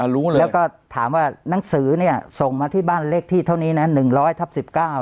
แล้วก็ถามว่านังสือเนี่ยส่งมาที่บ้านเลขที่เท่านี้นะ๑๑๙นะ